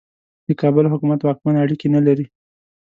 د کابل حکومت واکمن اړیکې نه لري.